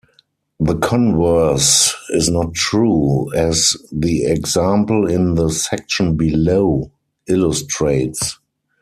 The converse is not true, as the example in the section below illustrates.